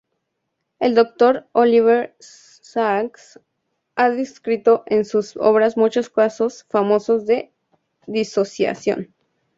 El Dr. Oliver Sacks ha descrito en sus obras muchos casos famosos de disociación.